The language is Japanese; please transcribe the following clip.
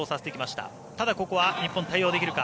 ただ、ここは日本、対応できるか。